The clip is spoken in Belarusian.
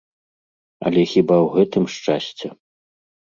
Але хіба ў гэтым шчасце?